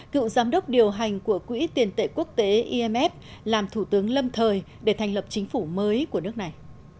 cựu giám đốc điều hành của quỹ tiền tệ quốc tế imf làm thủ tướng lâm thời để thành lập chính phủ mới của nước này